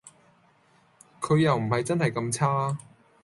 佢又唔係真係咁差